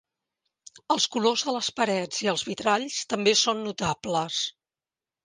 Els colors de les parets i els vitralls també són notables.